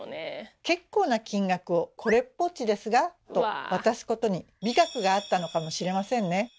結構な金額を「これっぽっちですが」と渡すことに美学があったのかもしれませんね。